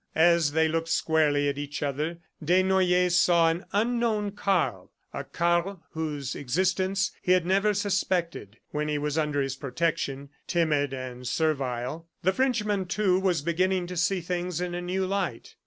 As they looked squarely at each other, Desnoyers saw an unknown Karl, a Karl whose existence he had never suspected when he was under his protection, timid and servile. The Frenchman, too, was beginning to see things in a new light.